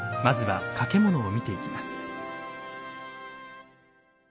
まずは掛物を見ていきます。